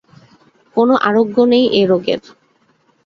কোনো আরোগ্য নেই এ রোগের।